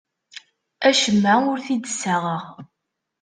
Acemma ur t-id-ssaɣeɣ.